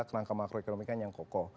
kerangka makroekonomik yang kokoh